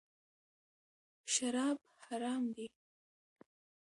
شراب حرام دي .